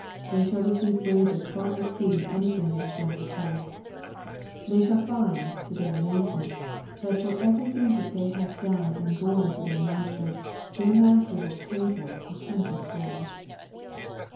They shall receive wages far exceeding anything they have done for Christ. They shall find, to their amazement, that for everything they have done and borne for their Master, their Master will pay them a hundred fold.